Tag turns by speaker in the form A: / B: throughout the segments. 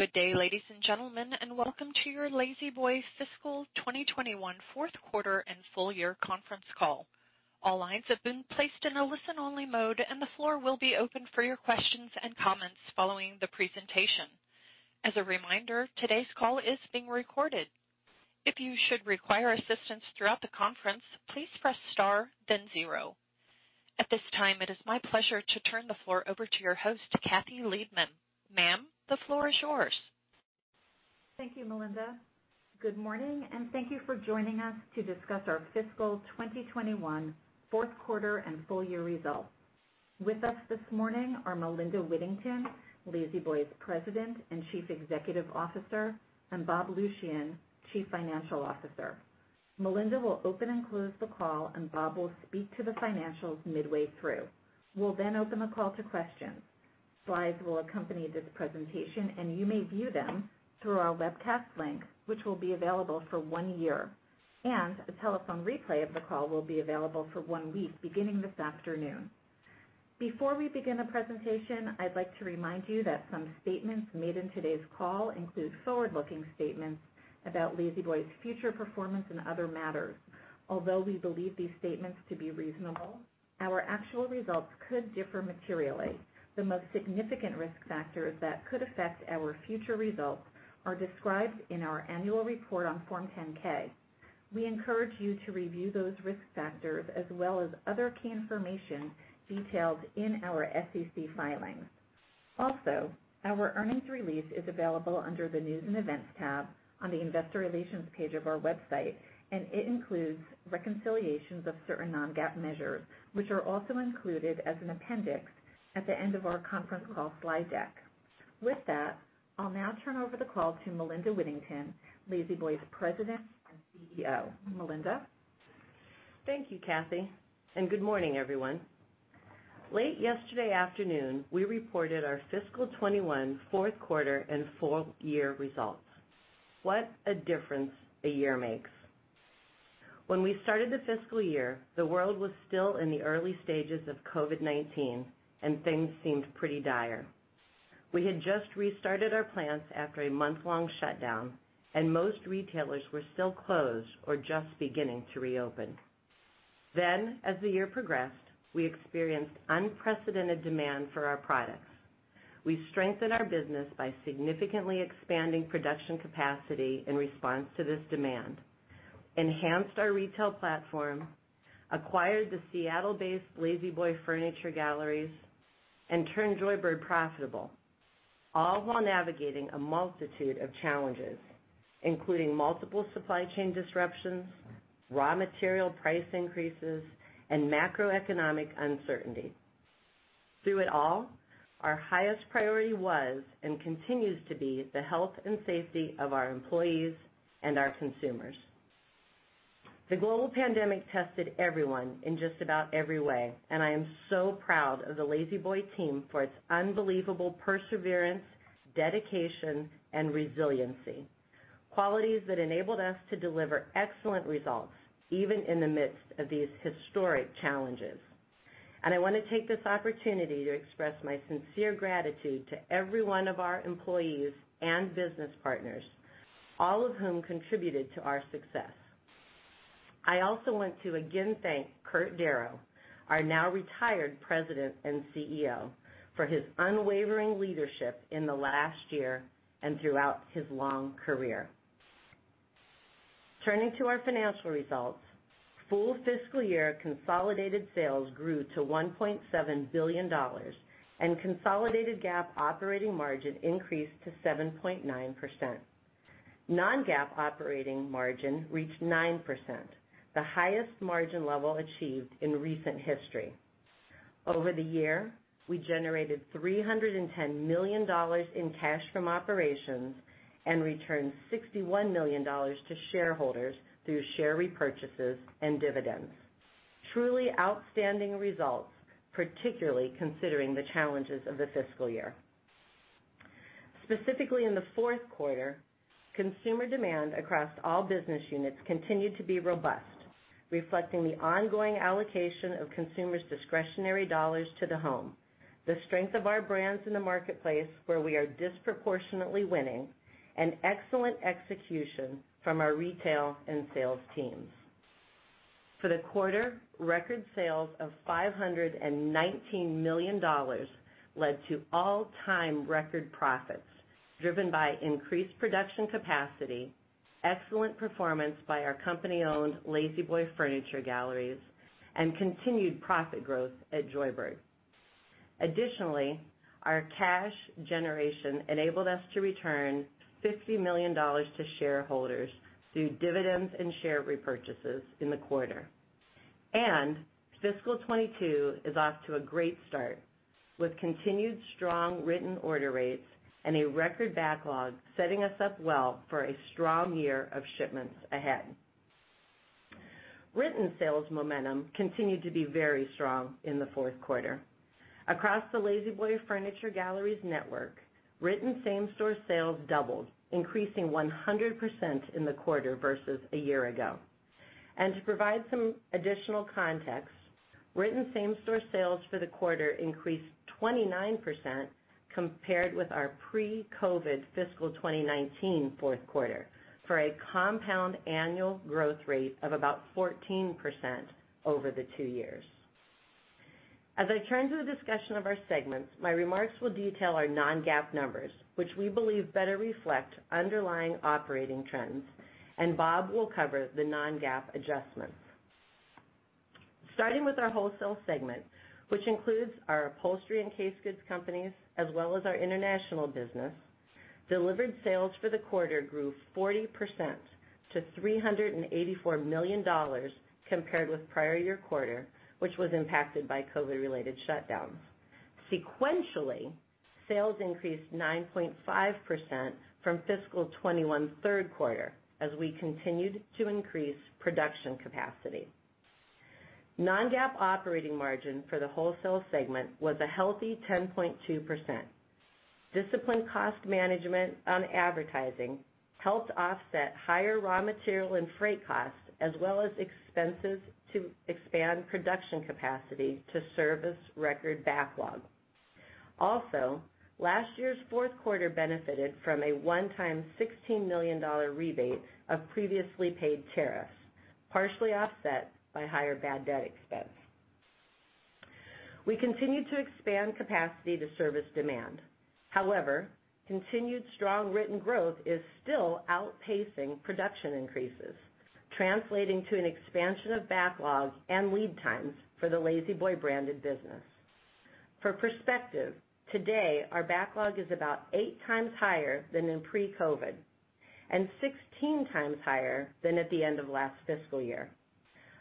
A: Good day, ladies and gentlemen, and welcome to your La-Z-Boy Fiscal 2021 Fourth Quarter and Full Year Conference Call. All lines have been placed in a listen-only mode, and the floor will be open for your questions and comments following the presentation. As a reminder, today's call is being recorded. If you should require assistance throughout the conference, please press star then zero. At this time, it is my pleasure to turn the floor over to your host, Kathy Liebmann. Ma'am, the floor is yours.
B: Thank you, Melinda. Good morning, and thank you for joining us to discuss our fiscal 2021 fourth quarter and full year results. With us this morning are Melinda Whittington, La-Z-Boy's President and Chief Executive Officer, and Bob Lucian, Chief Financial Officer. Melinda will open and close the call, and Bob will speak to the financials midway through. We'll then open the call to questions. Slides will accompany this presentation, and you may view them through our webcast link, which will be available for one year. The telephone replay of the call will be available for one week beginning this afternoon. Before we begin the presentation, I'd like to remind you that some statements made in today's call include forward-looking statements about La-Z-Boy's future performance and other matters. Although we believe these statements to be reasonable, our actual results could differ materially. The most significant risk factors that could affect our future results are described in our annual report on Form 10-K. We encourage you to review those risk factors as well as other key information detailed in our SEC filings. Also, our earnings release is available under the News & Events tab on the Investor Relations page of our website, and it includes reconciliations of certain non-GAAP measures, which are also included as an appendix at the end of our conference call slide deck. With that, I'll now turn over the call to Melinda Whittington, La-Z-Boy's President and CEO. Melinda?
C: Thank you, Kathy, and good morning, everyone. Late yesterday afternoon, we reported our fiscal 2021 fourth quarter and full year results. What a difference a year makes. When we started the fiscal year, the world was still in the early stages of COVID-19, and things seemed pretty dire. We had just restarted our plants after a month-long shutdown, and most retailers were still closed or just beginning to reopen. As the year progressed, we experienced unprecedented demand for our products. We strengthened our business by significantly expanding production capacity in response to this demand, enhanced our retail platform, acquired the Seattle-based La-Z-Boy Furniture Galleries, and turned Joybird profitable, all while navigating a multitude of challenges, including multiple supply chain disruptions, raw material price increases, and macroeconomic uncertainty. Through it all, our highest priority was and continues to be the health and safety of our employees and our consumers. The global pandemic tested everyone in just about every way, I am so proud of the La-Z-Boy team for its unbelievable perseverance, dedication, and resiliency, qualities that enabled us to deliver excellent results, even in the midst of these historic challenges. I want to take this opportunity to express my sincere gratitude to every one of our employees and business partners, all of whom contributed to our success. I also want to again thank Kurt Darrow, our now retired President and CEO, for his unwavering leadership in the last year and throughout his long career. Turning to our financial results, full fiscal year consolidated sales grew to $1.7 billion, and consolidated GAAP operating margin increased to 7.9%. Non-GAAP operating margin reached 9%, the highest margin level achieved in recent history. Over the year, we generated $310 million in cash from operations and returned $61 million to shareholders through share repurchases and dividends. Truly outstanding results, particularly considering the challenges of the fiscal year. Specifically, in the fourth quarter, consumer demand across all business units continued to be robust, reflecting the ongoing allocation of consumers' discretionary dollars to the home, the strength of our brands in the marketplace where we are disproportionately winning, and excellent execution from our retail and sales teams. For the quarter, record sales of $519 million led to all-time record profits, driven by increased production capacity, excellent performance by our company-owned La-Z-Boy Furniture Galleries, and continued profit growth at Joybird. Our cash generation enabled us to return $50 million to shareholders through dividends and share repurchases in the quarter. Fiscal 2022 is off to a great start, with continued strong written order rates and a record backlog setting us up well for a strong year of shipments ahead. Written sales momentum continued to be very strong in the fourth quarter. Across the La-Z-Boy Furniture Galleries network, written same-store sales doubled, increasing 100% in the quarter versus a year ago. To provide some additional context, written same-store sales for the quarter increased 29% compared with our pre-COVID-19 fiscal 2019 fourth quarter, for a compound annual growth rate of about 14% over the two years. As I turn to the discussion of our segments, my remarks will detail our non-GAAP numbers, which we believe better reflect underlying operating trends, and Bob will cover the non-GAAP adjustments. Starting with our wholesale segment, which includes our upholstery and case goods companies, as well as our international business, delivered sales for the quarter grew 40% to $384 million compared with prior year quarter, which was impacted by COVID-19-related shutdowns. Sequentially, sales increased 9.5% from fiscal 2021 third quarter, as we continued to increase production capacity. Non-GAAP operating margin for the wholesale segment was a healthy 10.2%. Disciplined cost management on advertising helped offset higher raw material and freight costs, as well as expenses to expand production capacity to service record backlog. Last year's fourth quarter benefited from a one-time $16 million rebate of previously paid tariffs, partially offset by higher bad debt expense. We continue to expand capacity to service demand. Continued strong written growth is still outpacing production increases, translating to an expansion of backlog and lead times for the La-Z-Boy branded business. For perspective, today our backlog is about 8x higher than in pre-COVID, and 16x higher than at the end of last fiscal year.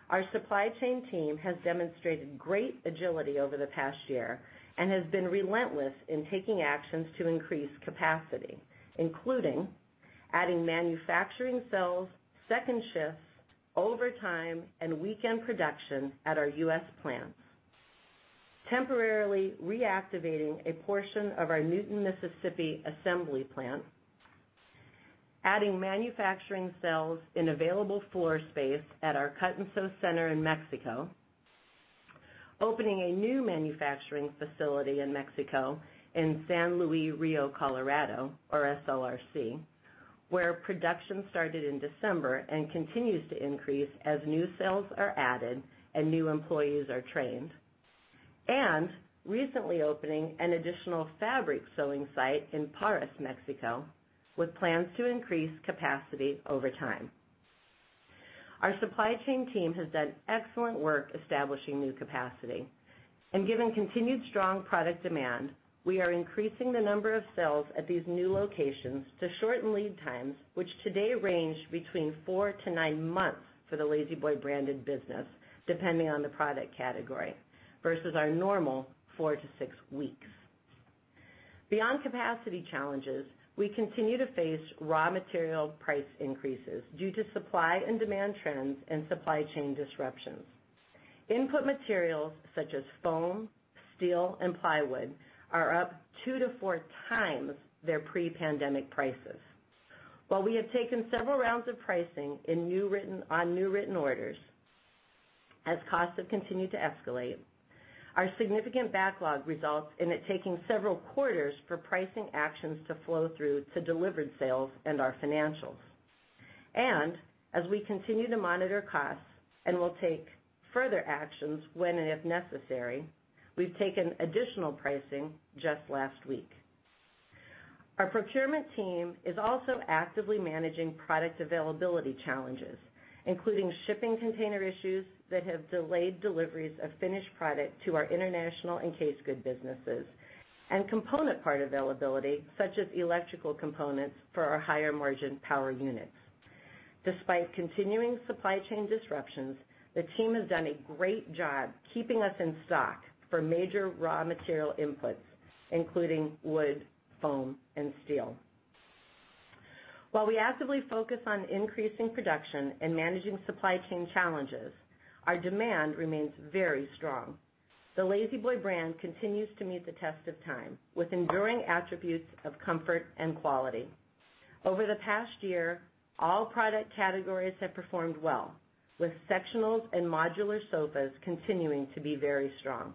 C: Our supply chain team has demonstrated great agility over the past year and has been relentless in taking actions to increase capacity, including adding manufacturing cells, second shifts, overtime, and weekend production at our U.S. plants. Temporarily reactivating a portion of our Newton, Mississippi assembly plant, adding manufacturing cells in available floor space at our cut-and-sew center in Mexico, opening a new manufacturing facility in Mexico in San Luis Rio Colorado, or SLRC, where production started in December and continues to increase as new cells are added and new employees are trained. Recently opening an additional fabric sewing site in Parras, Mexico, with plans to increase capacity over time. Our supply chain team has done excellent work establishing new capacity, and given continued strong product demand, we are increasing the number of cells at these new locations to shorten lead times, which today range between four to nine months for the La-Z-Boy branded business, depending on the product category, versus our normal four to six weeks. Beyond capacity challenges, we continue to face raw material price increases due to supply and demand trends and supply chain disruptions. Input materials such as foam, steel, and plywood are up 2x to 4x their pre-pandemic prices. While we have taken several rounds of pricing on new written orders, as costs have continued to escalate, our significant backlog results in it taking several quarters for pricing actions to flow through to delivered sales and our financials. As we continue to monitor costs and will take further actions when and if necessary, we've taken additional pricing just last week. Our procurement team is also actively managing product availability challenges, including shipping container issues that have delayed deliveries of finished product to our international and case good businesses, and component part availability, such as electrical components for our higher margin power units. Despite continuing supply chain disruptions, the team has done a great job keeping us in stock for major raw material inputs, including wood, foam, and steel. While we actively focus on increasing production and managing supply chain challenges, our demand remains very strong. The La-Z-Boy brand continues to meet the test of time with enduring attributes of comfort and quality. Over the past year, all product categories have performed well, with sectionals and modular sofas continuing to be very strong.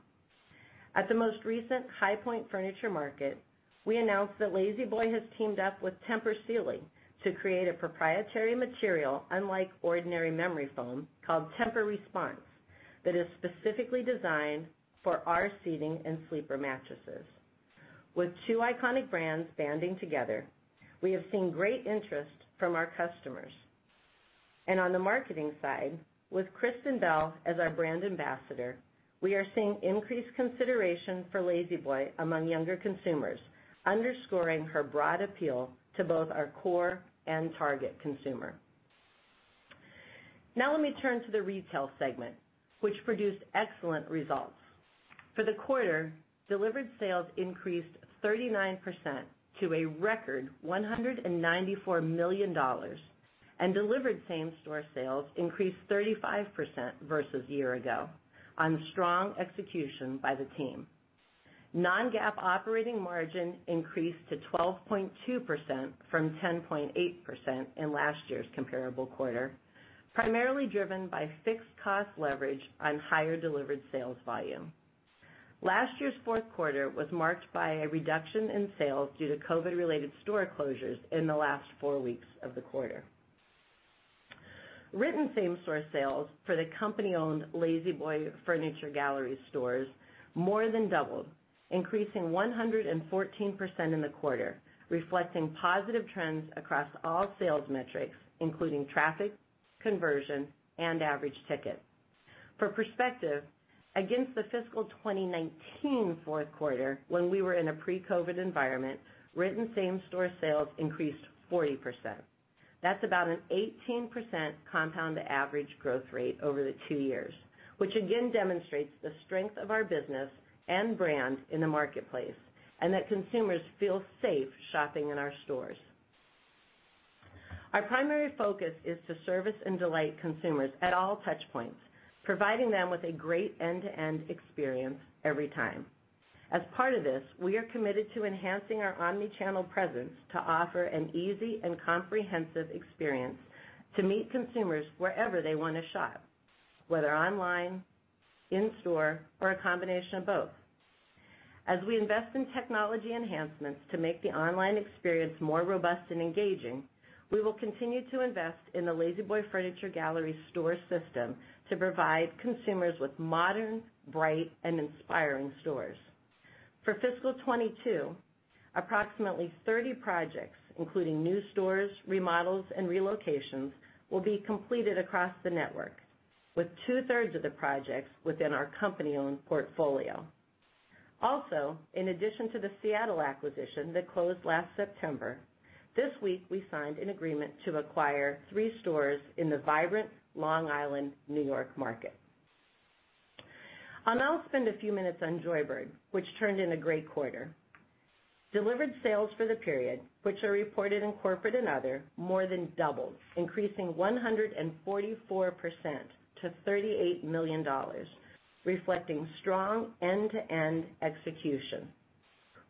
C: At the most recent High Point Market, we announced that La-Z-Boy has teamed up with Tempur Sealy to create a proprietary material unlike ordinary memory foam called TEMPUR-Response, that is specifically designed for our seating and sleeper mattresses. With two iconic brands banding together, we have seen great interest from our customers. On the marketing side, with Kristen Bell as our brand ambassador, we are seeing increased consideration for La-Z-Boy among younger consumers, underscoring her broad appeal to both our core and target consumer. Let me turn to the retail segment, which produced excellent results. For the quarter, delivered sales increased 39% to a record $194 million, and delivered same-store sales increased 35% versus year-ago on strong execution by the team. Non-GAAP operating margin increased to 12.2% from 10.8% in last year's comparable quarter, primarily driven by fixed cost leverage on higher delivered sales volume. Last year's fourth quarter was marked by a reduction in sales due to COVID-related store closures in the last four weeks of the quarter. Written same-store sales for the company-owned La-Z-Boy Furniture Galleries stores more than doubled, increasing 114% in the quarter, reflecting positive trends across all sales metrics, including traffic, conversion, and average ticket. For perspective, against the fiscal 2019 fourth quarter, when we were in a pre-COVID environment, written same-store sales increased 40%. That's about an 18% compound average growth rate over the two years, which again demonstrates the strength of our business and brand in the marketplace, and that consumers feel safe shopping in our stores. Our primary focus is to service and delight consumers at all touch points, providing them with a great end-to-end experience every time. As part of this, we are committed to enhancing our omnichannel presence to offer an easy and comprehensive experience to meet consumers wherever they want to shop, whether online, in-store, or a combination of both. As we invest in technology enhancements to make the online experience more robust and engaging, we will continue to invest in the La-Z-Boy Furniture Gallery store system to provide consumers with modern, bright, and inspiring stores. For fiscal 2022, approximately 30 projects, including new stores, remodels, and relocations, will be completed across the network, with two-thirds of the projects within our company-owned portfolio. In addition to the Seattle acquisition that closed last September, this week we signed an agreement to acquire three stores in the vibrant Long Island, New York market. I'll now spend a few minutes on Joybird, which turned in a great quarter. Delivered sales for the period, which are reported in corporate and other, more than doubled, increasing 144% to $38 million, reflecting strong end-to-end execution.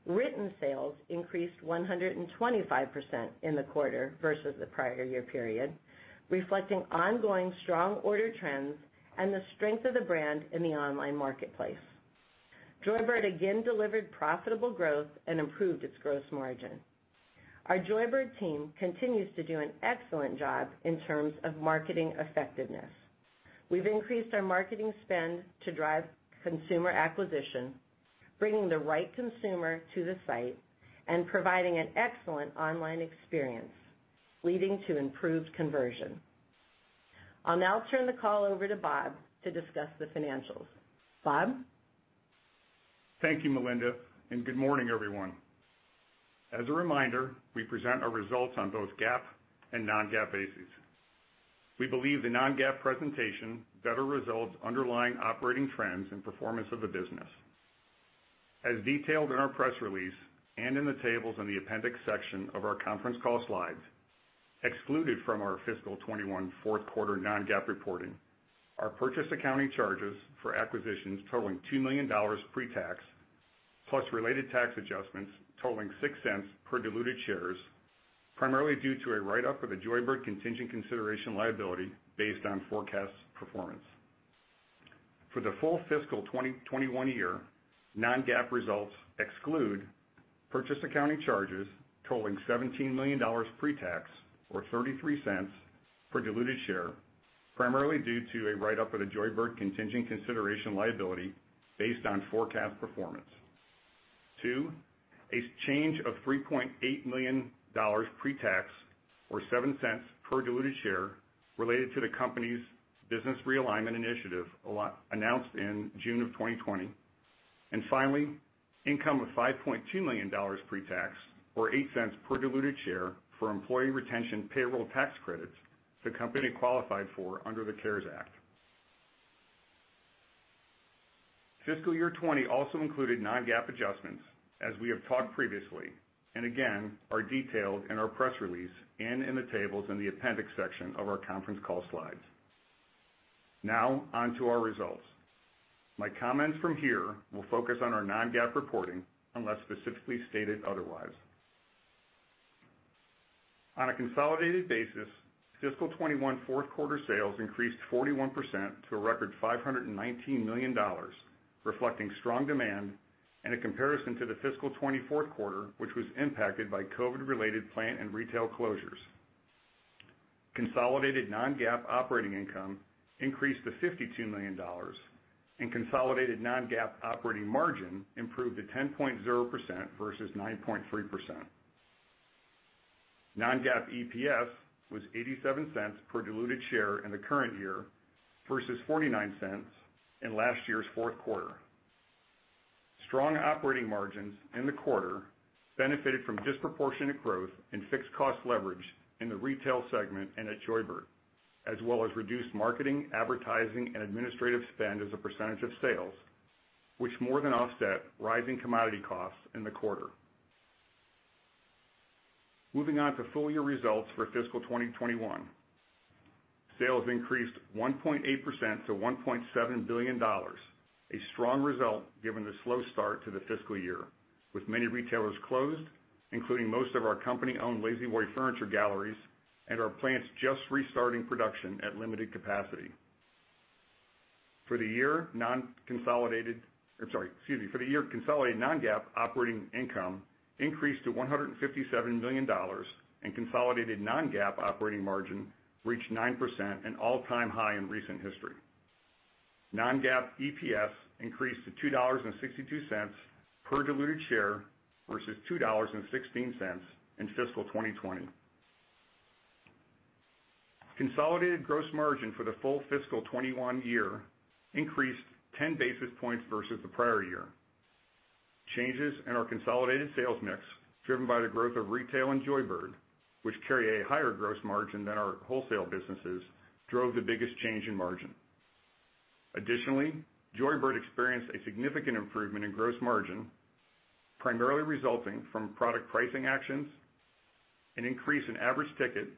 C: Written sales increased 125% in the quarter versus the prior year period, reflecting ongoing strong order trends and the strength of the brand in the online marketplace. Joybird again delivered profitable growth and improved its gross margin. Our Joybird team continues to do an excellent job in terms of marketing effectiveness. We've increased our marketing spend to drive consumer acquisition, bringing the right consumer to the site, and providing an excellent online experience, leading to improved conversion. I'll now turn the call over to Bob to discuss the financials. Bob?
D: Thank you, Melinda, and good morning, everyone. As a reminder, we present our results on both GAAP and non-GAAP bases. We believe the non-GAAP presentation better resolves underlying operating trends and performance of the business. As detailed in our press release and in the tables in the appendix section of our conference call slides, excluded from our fiscal 2021 fourth quarter non-GAAP reporting are purchase accounting charges for acquisitions totaling $2 million pre-tax, plus related tax adjustments totaling $0.06 per diluted shares, primarily due to a write-up of the Joybird contingent consideration liability based on forecast performance. For the full fiscal 2021 year, non-GAAP results exclude purchase accounting charges totaling $17 million pre-tax or $0.33 per diluted share, primarily due to a write-up of the Joybird contingent consideration liability based on forecast performance. Two, a change of $3.8 million pre-tax or $0.07 per diluted share related to the company's business realignment initiative announced in June 2020. Finally, income of $5.2 million pre-tax or $0.08 per diluted share for employee retention payroll tax credits the company qualified for under the CARES Act. Fiscal year 2020 also included non-GAAP adjustments, as we have talked previously. Again, are detailed in our press release and in the tables in the appendix section of our conference call slides. On to our results. My comments from here will focus on our non-GAAP reporting unless specifically stated otherwise. On a consolidated basis, fiscal 2021 fourth quarter sales increased 41% to a record $519 million, reflecting strong demand in a comparison to the fiscal 2020 fourth quarter, which was impacted by COVID-related plant and retail closures. Consolidated non-GAAP operating income increased to $52 million and consolidated non-GAAP operating margin improved to 10.0% versus 9.3%. Non-GAAP EPS was $0.87 per diluted share in the current year versus $0.49 in last year's fourth quarter. Strong operating margins in the quarter benefited from disproportionate growth in fixed cost leverage in the retail segment and at Joybird, as well as reduced marketing, advertising, and administrative spend as a percent of sales, which more than offset rising commodity costs in the quarter. Moving on to full year results for fiscal 2021. Sales increased 1.8% to $1.7 billion, a strong result given the slow start to the fiscal year, with many retailers closed, including most of our company-owned La-Z-Boy Furniture Galleries and our plants just restarting production at limited capacity. For the year, consolidated non-GAAP operating income increased to $157 million and consolidated non-GAAP operating margin reached 9%, an all-time high in recent history. Non-GAAP EPS increased to $2.62 per diluted share versus $2.16 in fiscal 2020. Consolidated gross margin for the full fiscal 2021 year increased 10 basis points versus the prior year. Changes in our consolidated sales mix, driven by the growth of retail and Joybird, which carry a higher gross margin than our wholesale businesses, drove the biggest change in margin. Additionally, Joybird experienced a significant improvement in gross margin, primarily resulting from product pricing actions, an increase in average ticket,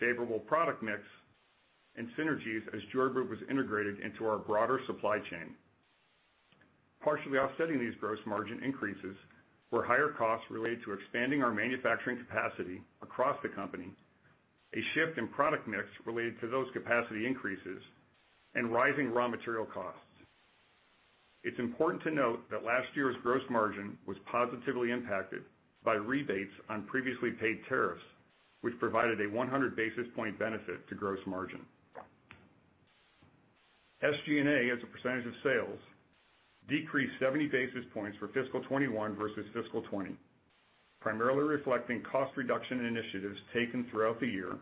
D: favorable product mix, and synergies as Joybird was integrated into our broader supply chain. Partially offsetting these gross margin increases were higher costs related to expanding our manufacturing capacity across the company, a shift in product mix related to those capacity increases, and rising raw material costs. It's important to note that last year's gross margin was positively impacted by rebates on previously paid tariffs, which provided a 100 basis point benefit to gross margin. SG&A, as a percentage of sales, decreased 70 basis points for fiscal 2021 versus fiscal 2020, primarily reflecting cost reduction initiatives taken throughout the year,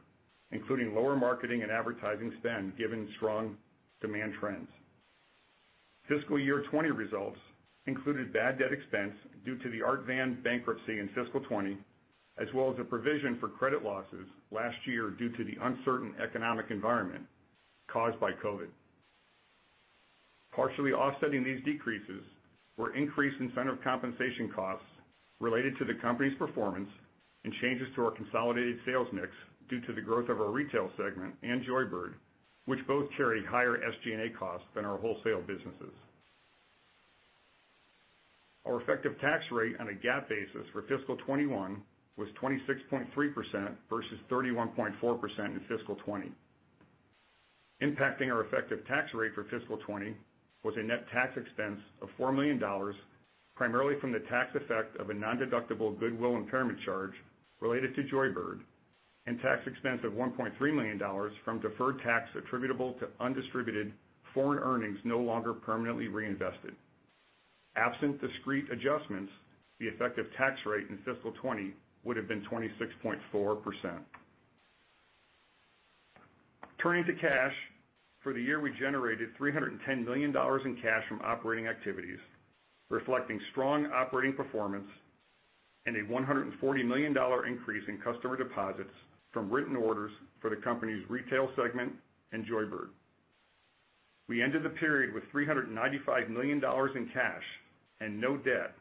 D: including lower marketing and advertising spend, given strong demand trends. Fiscal year 2020 results included bad debt expense due to the Art Van bankruptcy in fiscal 2020, as well as a provision for credit losses last year due to the uncertain economic environment caused by COVID. Partially offsetting these decreases were increase in incentive compensation costs related to the company's performance and changes to our consolidated sales mix due to the growth of our retail segment and Joybird, which both carry higher SG&A costs than our wholesale businesses. Our effective tax rate on a GAAP basis for fiscal 2021 was 26.3% versus 31.4% in fiscal 2020. Impacting our effective tax rate for fiscal 2020 was a net tax expense of $4 million, primarily from the tax effect of a non-deductible goodwill impairment charge related to Joybird, and tax expense of $1.3 million from deferred tax attributable to undistributed foreign earnings no longer permanently reinvested. Absent discrete adjustments, the effective tax rate in fiscal 2020 would have been 26.4%. Turning to cash, for the year, we generated $310 million in cash from operating activities, reflecting strong operating performance and a $140 million increase in customer deposits from written orders for the company's retail segment and Joybird. We ended the period with $395 million in cash and no debt,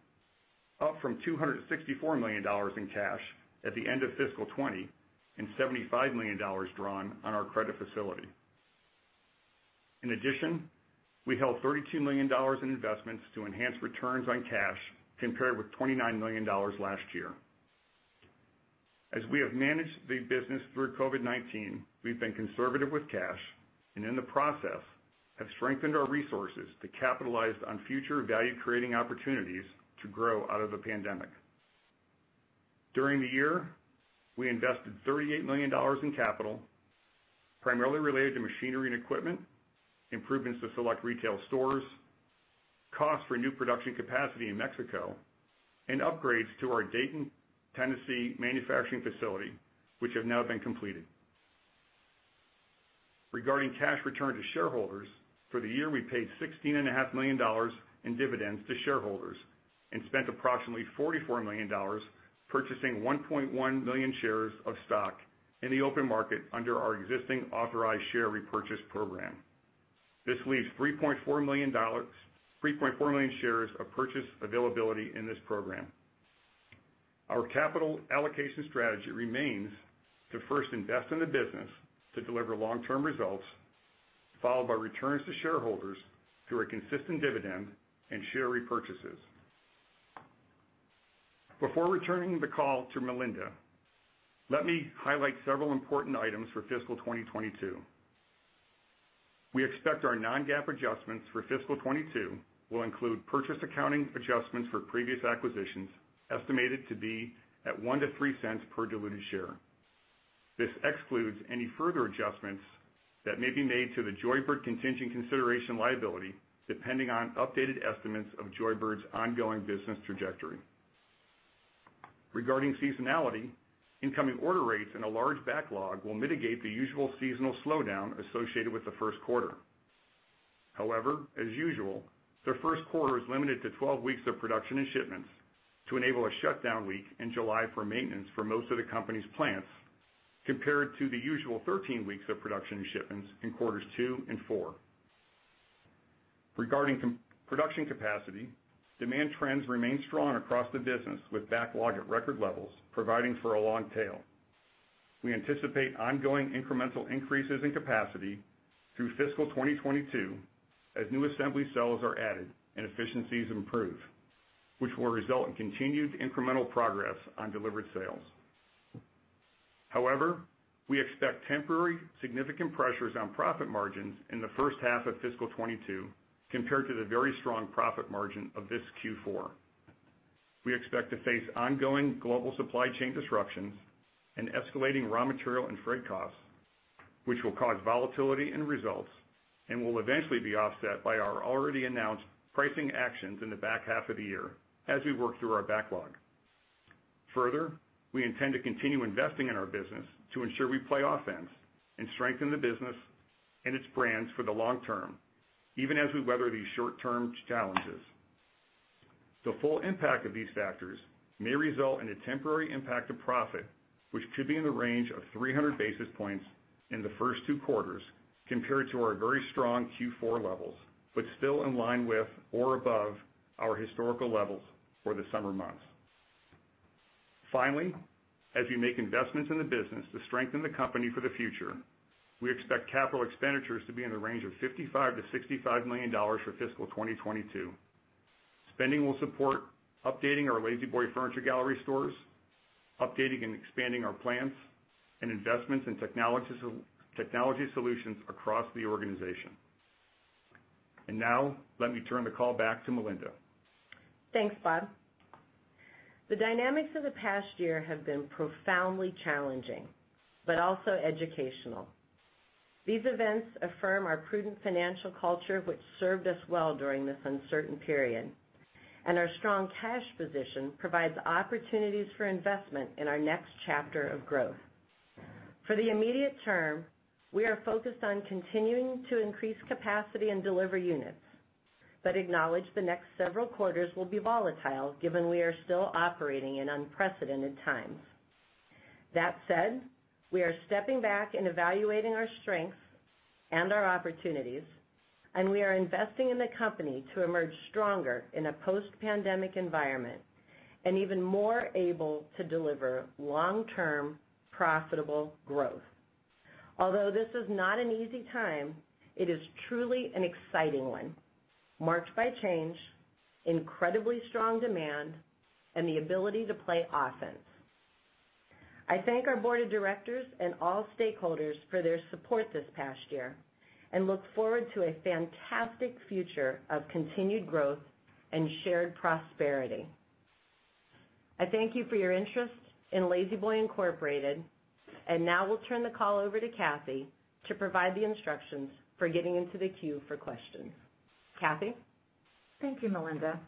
D: up from $264 million in cash at the end of fiscal 2020 and $75 million drawn on our credit facility. In addition, we held $32 million in investments to enhance returns on cash, compared with $29 million last year. As we have managed the business through COVID-19, we've been conservative with cash, and in the process, have strengthened our resources to capitalize on future value-creating opportunities to grow out of the pandemic. During the year, we invested $38 million in capital, primarily related to machinery and equipment, improvements to select retail stores, cost for new production capacity in Mexico, and upgrades to our Dayton, Tennessee manufacturing facility, which have now been completed. Regarding cash return to shareholders, for the year, we paid $16.5 million in dividends to shareholders and spent approximately $44 million purchasing 1.1 million shares of stock in the open market under our existing authorized share repurchase program. This leaves 3.4 million shares of purchase availability in this program. Our capital allocation strategy remains to first invest in the business to deliver long-term results, followed by returns to shareholders through our consistent dividend and share repurchases. Before returning the call to Melinda, let me highlight several important items for fiscal 2022. We expect our non-GAAP adjustments for fiscal 2022 will include purchase accounting adjustments for previous acquisitions, estimated to be at $0.01-$0.03 per diluted share. This excludes any further adjustments that may be made to the Joybird contingent consideration liability, depending on updated estimates of Joybird's ongoing business trajectory. Regarding seasonality, incoming order rates and a large backlog will mitigate the usual seasonal slowdown associated with the first quarter. As usual, the first quarter is limited to 12 weeks of production and shipments to enable a shutdown week in July for maintenance for most of the company's plants, compared to the usual 13 weeks of production and shipments in quarters two and four. Regarding production capacity, demand trends remain strong across the business with backlog at record levels providing for a long tail. We anticipate ongoing incremental increases in capacity through fiscal 2022 as new assembly cells are added and efficiencies improve, which will result in continued incremental progress on delivered sales. However, we expect temporary significant pressures on profit margins in the first half of fiscal 2022 compared to the very strong profit margin of this Q4. We expect to face ongoing global supply chain disruptions and escalating raw material and freight costs, which will cause volatility in results and will eventually be offset by our already announced pricing actions in the back half of the year as we work through our backlog. Further, we intend to continue investing in our business to ensure we play offense and strengthen the business and its brands for the long term, even as we weather these short-term challenges. The full impact of these factors may result in a temporary impact to profit, which could be in the range of 300 basis points in the first two quarters compared to our very strong Q4 levels, but still in line with or above our historical levels for the summer months. Finally, as we make investments in the business to strengthen the company for the future, we expect capital expenditures to be in the range of $55 million-$65 million for fiscal 2022. Spending will support updating our La-Z-Boy Furniture Gallery stores, updating and expanding our plants, and investments in technology solutions across the organization. Now let me turn the call back to Melinda.
C: Thanks, Bob. The dynamics of the past year have been profoundly challenging, but also educational. These events affirm our prudent financial culture, which served us well during this uncertain period, and our strong cash position provides opportunities for investment in our next chapter of growth. For the immediate term, we are focused on continuing to increase capacity and deliver units, but acknowledge the next several quarters will be volatile given we are still operating in unprecedented times. That said, we are stepping back and evaluating our strengths and our opportunities, and we are investing in the company to emerge stronger in a post-pandemic environment and even more able to deliver long-term profitable growth. Although this is not an easy time, it is truly an exciting one, marked by change, incredibly strong demand, and the ability to play offense. I thank our board of directors and all stakeholders for their support this past year and look forward to a fantastic future of continued growth and shared prosperity. I thank you for your interest in La-Z-Boy Incorporated, and now we'll turn the call over to Kathy to provide the instructions for getting into the queue for questions. Kathy?
B: Thank you, Melinda.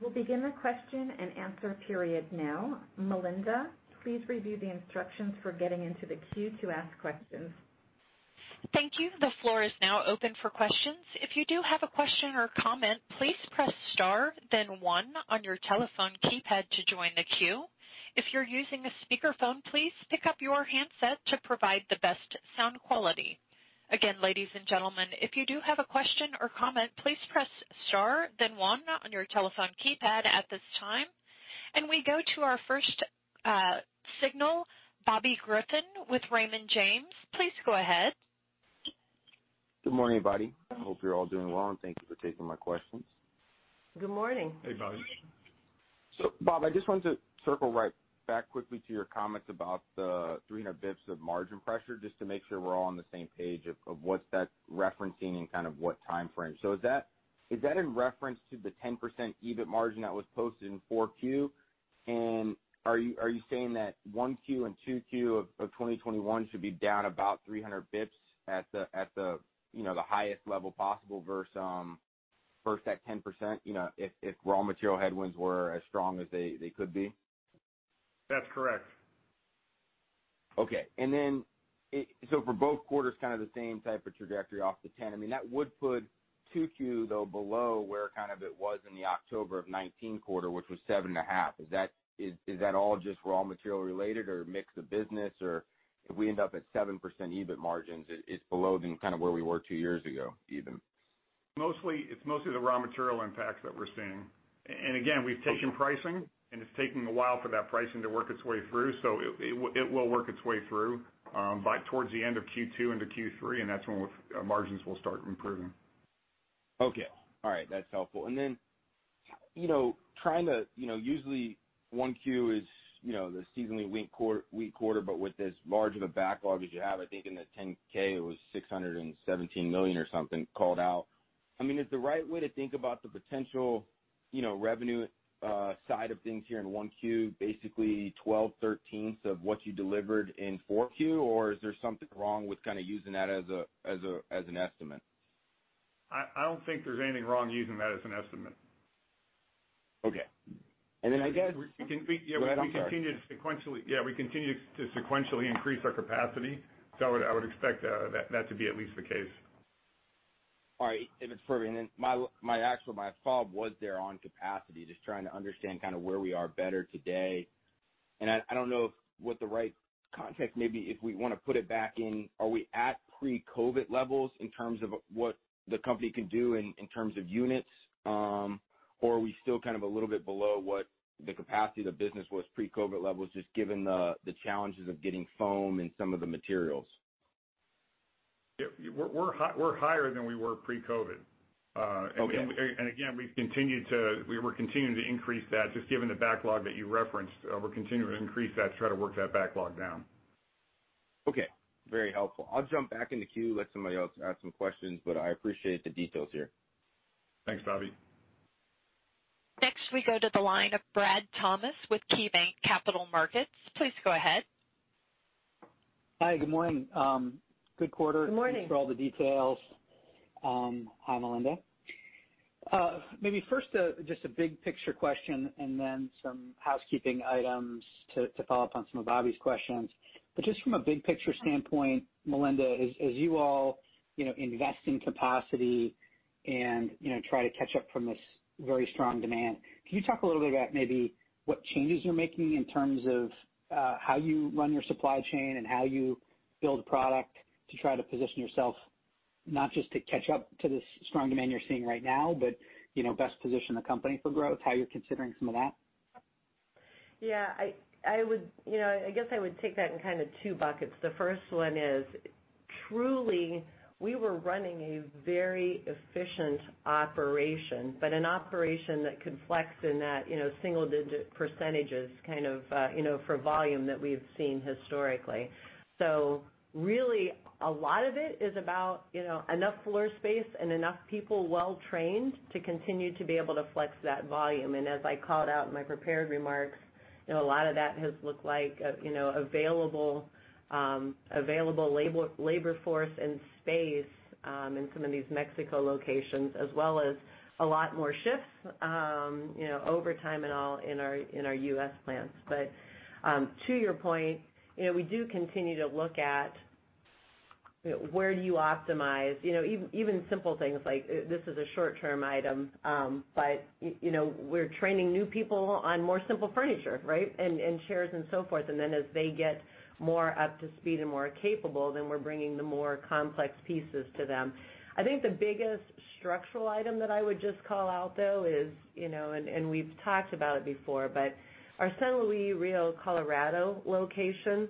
B: We'll begin the question and answer period now. Melinda, please review the instructions for getting into the queue to ask questions.
A: Thank you. The floor is now open for questions. If you do have a question or comment, please press star then one on your telephone keypad to join the queue. If you're using a speakerphone, please pick up your handset to provide the best sound quality. Again, ladies and gentlemen, if you do have a question or comment, please press star then one on your telephone keypad at this time. We go to our first signal, Bobby Griffin with Raymond James. Please go ahead.
E: Good morning, everybody. Hope you're all doing well, and thank you for taking my questions.
C: Good morning.
D: Hey, Bobby.
E: Bob, I just wanted to circle right back quickly to your comments about the 300 basis points of margin pressure, just to make sure we're all on the same page of what that's referencing and kind of what timeframe. Is that in reference to the 10% EBIT margin that was posted in 4Q? Are you saying that 1Q and 2Q of 2021 should be down about 300 basis points at the highest level possible versus that 10%, if raw material headwinds were as strong as they could be?
D: That's correct.
E: Okay. For both quarters, kind of the same type of trajectory off the 10%. I mean, that would put 2Q though below where it was in the October 2019 quarter, which was 7.5%. Is that all just raw material related or a mix of business? If we end up at 7% EBIT margins, it's below then kind of where we were two years ago, even.
D: It's mostly the raw material impact that we're seeing. Again, we've taken pricing, and it's taking a while for that pricing to work its way through. It will work its way through by towards the end of Q2 into Q3, and that's when margins will start improving.
E: Okay. All right. That's helpful. Usually 1Q is the seasonally weak quarter, but with as large of a backlog as you have, I think in the 10-K it was $617 million or something called out. I mean, is the right way to think about the potential revenue side of things here in 1Q, basically twelve thirteenths of what you delivered in 4Q, or is there something wrong with kind of using that as an estimate?
D: I don't think there's anything wrong using that as an estimate.
E: Okay.
D: Yeah, we continue to sequentially increase our capacity. I would expect that to be at least the case.
E: All right. My actual follow-up was there on capacity, just trying to understand kind of where we are better today. I don't know what the right context may be if we want to put it back in, are we at pre-COVID levels in terms of what the company can do in terms of units? Or are we still kind of a little bit below what the capacity of the business was pre-COVID levels, just given the challenges of getting foam and some of the materials?
D: Yeah. We're higher than we were pre-COVID.
E: Okay.
D: Again, we will continue to increase that just given the backlog that you referenced. We're continuing to increase that to try to work that backlog down.
E: Okay. Very helpful. I'll jump back in the queue, let somebody else ask some questions, but I appreciate the details here.
D: Thanks, Bobby.
A: Next we go to the line of Brad Thomas with KeyBanc Capital Markets. Please go ahead.
F: Hi, good morning. Good quarter.
C: Good morning.
F: Thanks for all the details, Melinda. Maybe first, just a big picture question and then some housekeeping items to follow up on some of Bobby's questions. Just from a big picture standpoint, Melinda, as you all invest in capacity and try to catch up from this very strong demand, can you talk a little bit about maybe what changes you're making in terms of how you run your supply chain and how you build product to try to position yourself not just to catch up to the strong demand you're seeing right now, but best position the company for growth, how you're considering some of that?
C: I guess I would take that in kind of two buckets. The first one is truly we were running a very efficient operation, but an operation that could flex in that single-digit percentages kind of for volume that we've seen historically. Really a lot of it is about enough floor space and enough people well trained to continue to be able to flex that volume. As I called out in my prepared remarks, a lot of that has looked like available labor force and space in some of these Mexico locations, as well as a lot more shifts, overtime in our U.S. plants. To your point, we do continue to look at where do you optimize. Even simple things like this is a short-term item, but we're training new people on more simple furniture, right? Chairs and so forth. As they get more up to speed and more capable, then we're bringing the more complex pieces to them. I think the biggest structural item that I would just call out, though, and we've talked about it before, but our San Luis Río Colorado location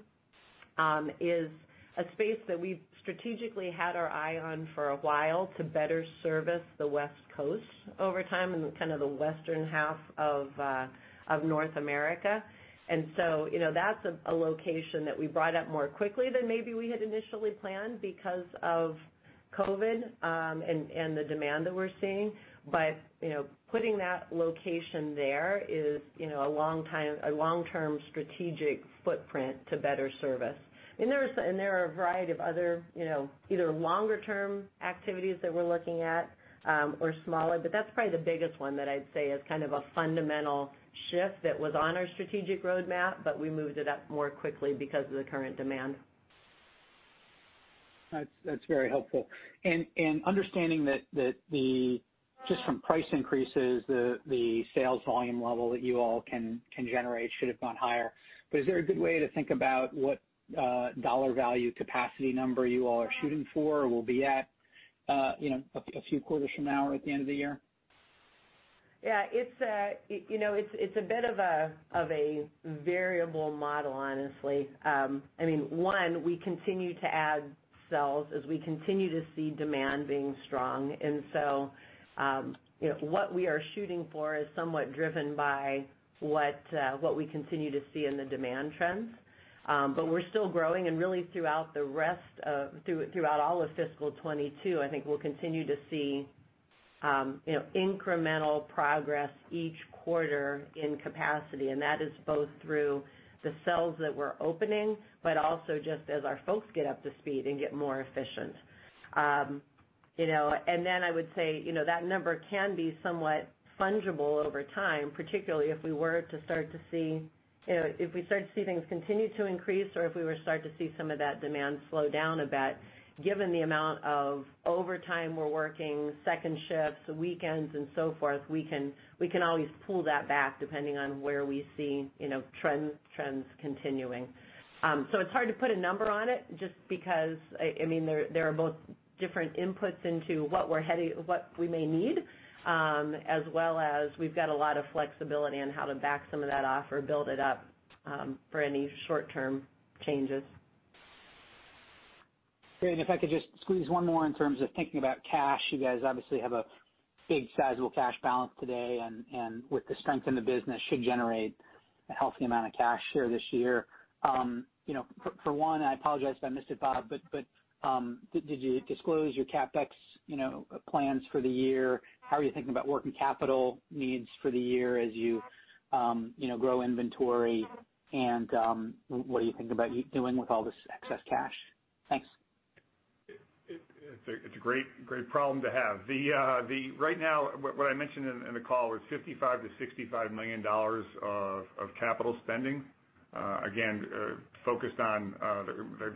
C: is a space that we've strategically had our eye on for a while to better service the West Coast over time and kind of the western half of North America. That's a location that we brought up more quickly than maybe we had initially planned because of COVID and the demand that we're seeing. Putting that location there is a long-term strategic footprint to better service. There are a variety of other either longer term activities that we're looking at or smaller, but that's probably the biggest one that I'd say is kind of a fundamental shift that was on our strategic roadmap, but we moved it up more quickly because of the current demand.
F: That's very helpful. Understanding that just from price increases, the sales volume level that you all can generate should have gone higher. Is there a good way to think about what dollar value capacity number you all are shooting for or will be at a few quarters from now or at the end of the year?
C: Yeah, it's a bit of a variable model, honestly. I mean, one, we continue to add cells as we continue to see demand being strong, what we are shooting for is somewhat driven by what we continue to see in the demand trends. We're still growing and really throughout all of FY 2022, I think we'll continue to see incremental progress each quarter in capacity, that is both through the cells that we're opening, but also just as our folks get up to speed and get more efficient. I would say that number can be somewhat fungible over time, particularly if we start to see things continue to increase or if we were to start to see some of that demand slow down a bit, given the amount of overtime we're working, second shifts, weekends and so forth, we can always pull that back depending on where we see trends continuing. It's hard to put a number on it just because there are both different inputs into what we may need, as well as we've got a lot of flexibility on how to back some of that off or build it up for any short term changes.
F: Great. If I could just squeeze one more in terms of thinking about cash. You guys obviously have a big sizeable cash balance today, and with the strength in the business should generate a healthy amount of cash here this year. For one, I apologize, I missed it, Bob, but did you disclose your CapEx plans for the year? How are you thinking about working capital needs for the year as you grow inventory and what do you think about doing with all this excess cash? Thanks.
D: It's a great problem to have. Right now, what I mentioned in the call was $55 million-$65 million of capital spending. Again, focused on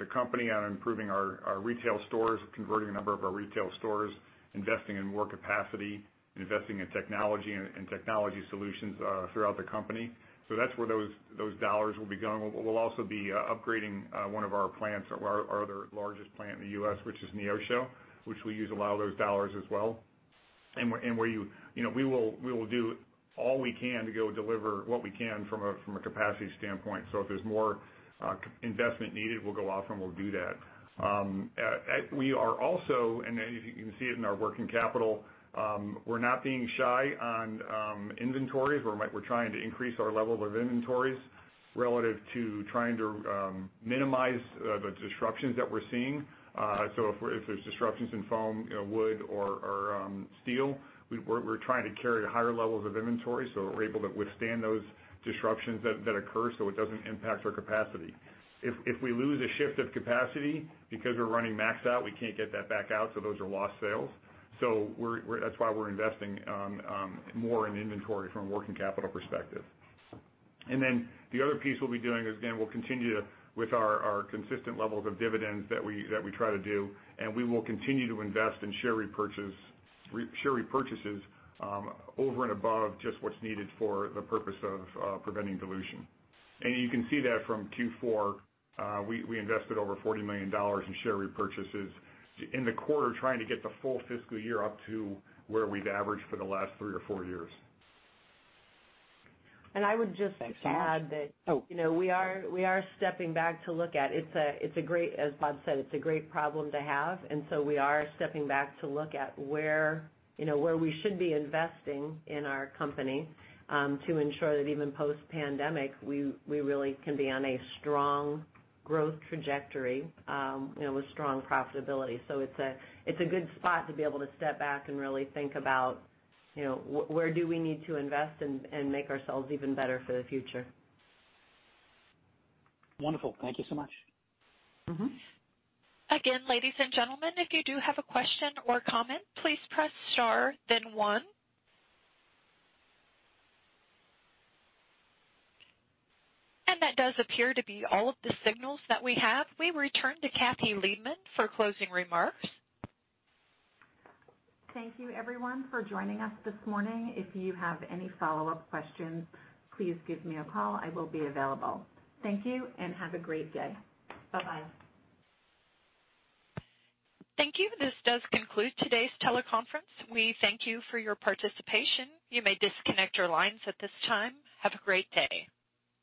D: the company on improving our retail stores, converting a number of our retail stores, investing in more capacity, investing in technology and technology solutions throughout the company. That's where those dollars will be going. We'll also be upgrading one of our plants, our other largest plant in the U.S., which is in Neosho, which we use a lot of those dollars as well. We will do all we can to go deliver what we can from a capacity standpoint. If there's more investment needed, we'll go off and we'll do that. We are also, and as you can see it in our working capital, we're not being shy on inventories. We're trying to increase our level of inventories relative to trying to minimize the disruptions that we're seeing. If there's disruptions in foam, wood or steel, we're trying to carry higher levels of inventory so we're able to withstand those disruptions that occur so it doesn't impact our capacity. If we lose a shift of capacity because we're running maxed out, we can't get that back out, so those are lost sales. That's why we're investing more in inventory from a working capital perspective. The other piece we'll be doing is, again, we'll continue with our consistent levels of dividends that we try to do, and we will continue to invest in share repurchases over and above just what's needed for the purpose of preventing dilution. You can see that from Q4. We invested over $40 million in share repurchases in the quarter, trying to get the full fiscal year up to where we've averaged for the last three or fouryears.
C: I would just add that. As Bob said, it's a great problem to have. We are stepping back to look at where we should be investing in our company to ensure that even post-pandemic, we really can be on a strong growth trajectory with strong profitability. It's a good spot to be able to step back and really think about where do we need to invest and make ourselves even better for the future.
F: Wonderful. Thank you so much.
A: Again, ladies and gentlemen, if you do have a question or comment, please press star then one. That does appear to be all of the signals that we have. We return to Kathy Liebmann for closing remarks.
B: Thank you everyone for joining us this morning. If you have any follow-up questions, please give me a call. I will be available. Thank you, and have a great day. Bye-bye.
A: Thank you. This does conclude today's teleconference. We thank you for your participation. You may disconnect your lines at this time. Have a great day.